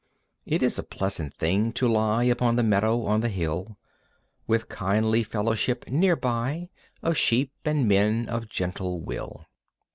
It is a pleasant thing to lie Upon the meadow on the hill With kindly fellowship near by Of sheep and men of gentle will.